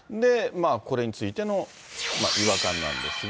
これについての違和感なんですが。